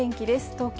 東京